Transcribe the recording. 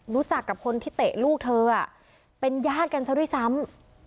รู้จักกับคนที่เตะลูกเธอเป็นญาติกันซะด้วยซ้ำ